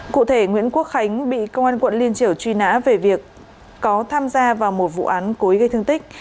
cụ thể nguyễn quốc khánh bị công an quận liên triều truy nã về việc có tham gia vào một vụ án cối gây thương tích